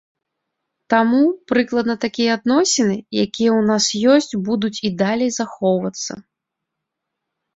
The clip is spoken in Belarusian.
Таму, прыкладна такія адносіны, якія ў нас ёсць будуць і далей захоўвацца.